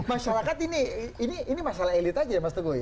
masyarakat ini masalah elit aja ya mas teguh ya